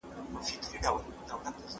هغه وويل چي سیر ګټور دی؟!